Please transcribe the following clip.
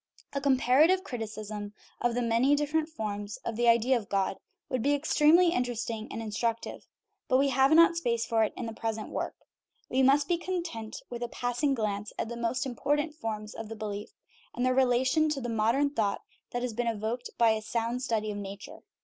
A comparative criticism of the many different forms of the idea of God would be extremely interesting and instructive ; but we have not space for it in the present 275 THE RIDDLE OF THE UNIVERSE work. We must be content with a passing glance at the most important forms of the belief and their rela tion to the modern thought that has been evoked by a sound study of nature.